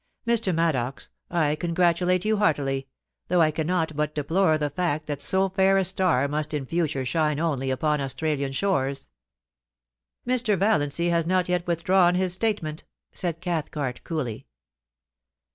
Mr. Maddox, I congratulate you heartily, though I cannot but deplore the fact that so fair a star must in future shine only upon Australian shores.* * Mr. Valiancy has not yet withdrawn his statement,' said Cathcart, coolly.